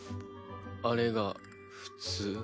あれが普通？